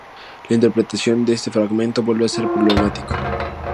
La interpretación de este fragmento vuelve a ser problemático.